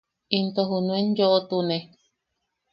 Into junuen yo’otune.